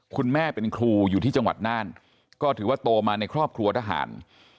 คุณแม่เป็นครูอยู่ที่จังหวัดน่านก็ถือว่าโตมาในครอบครัวทหาร